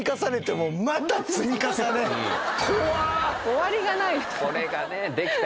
終わりがないですね。